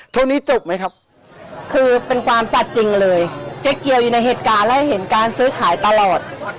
เท่านี้จบไหมครับคือเป็นความสัตว์จริงเลยเจ๊เกียวอยู่ในเหตุการณ์และเห็นการซื้อขายตลอด